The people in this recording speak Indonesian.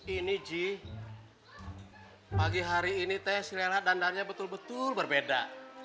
ini ji pagi hari ini teh si lelelat dandannya betul betul berbeda